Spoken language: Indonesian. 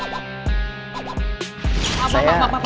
pak haris tahu siapa oknum itu